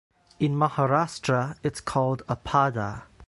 In Maharashtra it's called a "pada".